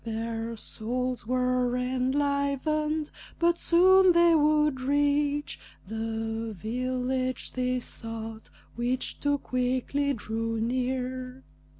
Their souls were enlivened, but soon they would reach The village they sought, which too quickly drew near.